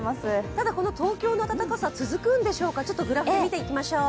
ただ、この東京の暖かさ、続くんでしょうか、グラフでみていきましょう。